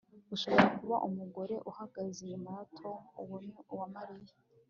Urashobora kubona umugore uhagaze inyuma ya Tom Uwo ni Mariya